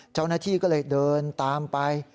เจ้าหน้าที่ก็เลยเดินตามไป